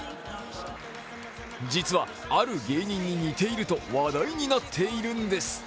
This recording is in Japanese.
実はある芸人に似ていると話題になっているんです。